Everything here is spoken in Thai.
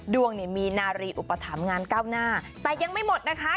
ดวงเนี่ยมีนารีอุปถัมภ์งานก้าวหน้าแต่ยังไม่หมดนะคะ